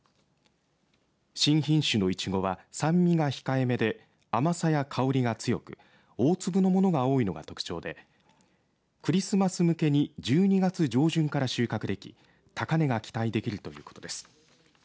新品種のいちごは酸味が控えめで甘さや香りが強く大粒のものが多いのが特徴でクリスマス向けに１２月上旬から収穫でき高値が期待できるということです。